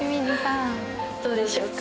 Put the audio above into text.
どうでしょうか？